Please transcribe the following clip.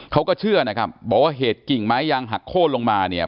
เขาก็เชื่อนะครับบอกว่าเหตุกิ่งไม้ยางหักโค้นลงมาเนี่ย